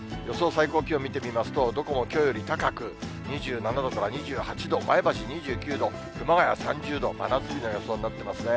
最高気温見てみますと、どこもきょうより高く、２７度から２８度、前橋２９度、熊谷３０度、真夏日の予想になってますね。